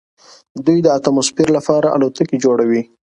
دوی د اتموسفیر لپاره الوتکې جوړوي.